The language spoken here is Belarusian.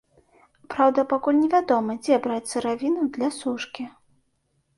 Праўда, пакуль невядома, дзе браць сыравіну для сушкі.